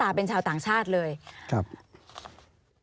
ปีอาทิตย์ห้ามีสปีอาทิตย์ห้ามีส